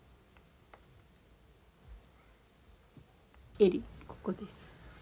襟ここです。